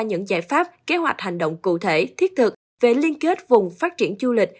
những giải pháp kế hoạch hành động cụ thể thiết thực về liên kết vùng phát triển du lịch